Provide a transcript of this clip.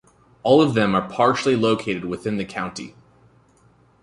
All of them are partially located within the county.